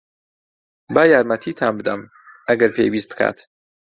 با یارمەتیتان بدەم، ئەگەر پێویست بکات.